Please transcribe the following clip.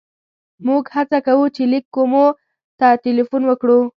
موږ هڅه کوو چې لېک کومو ته ټېلیفون وکړو.